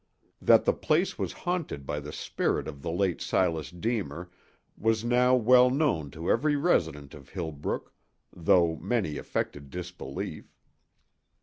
That the place was haunted by the spirit of the late Silas Deemer was now well known to every resident of Hillbrook, though many affected disbelief.